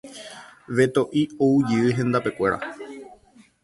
Beto'i oujey hendapekuéra.